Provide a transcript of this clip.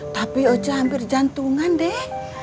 tapi oca hampir jantungan deh